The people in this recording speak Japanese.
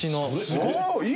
すごい！